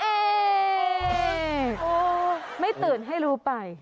โอ้โหไม่ตื่นให้รู้ไป